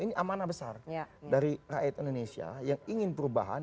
ini amanah besar dari rakyat indonesia yang ingin perubahan